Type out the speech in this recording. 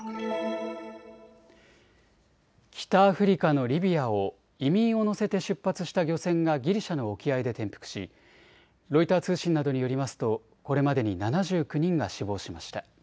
北アフリカのリビアを移民を乗せて出発した漁船がギリシャの沖合で転覆しロイター通信などによりますとこれまでに７９人が死亡しました。